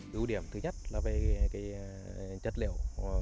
điều điểm thứ nhất là về cái chất liệu